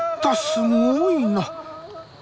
すごいな。